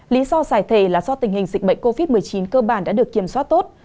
lý do giải thể là do tình hình dịch bệnh covid một mươi chín cơ bản đã được kiểm soát tốt